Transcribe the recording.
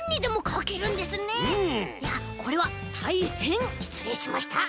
いやこれはたいへんしつれいしました。